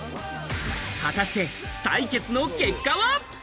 果たして採決の結果は？